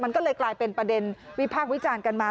มันก็เลยกลายเป็นประเด็นวิพากษ์วิจารณ์กันมา